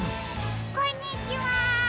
こんにちは。